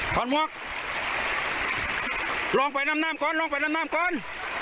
หมวกลองไปนำน้ำก่อนลองไปนำน้ำก่อน